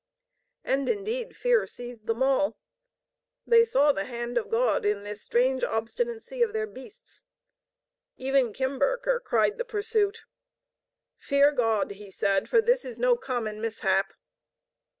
And indeed fear seized them all. They saw the hand of God in this strange obstinancy of their beasts. Even Kimberker cried the pursuit. "Fear God!" he said. "For this is no common mishap!"